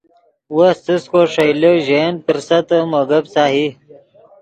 وس څس کو ݰئیلے ژے ین پرسیتے مو گپ سہی